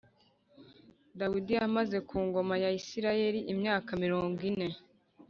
Dawidi yamaze ku ngoma ya Isirayeli imyaka mirongo ine